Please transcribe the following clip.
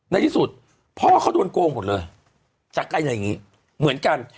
ในที่สุดพ่อเขาโดนโกงหมดเลยจากการอย่างนี้เหมือนกัน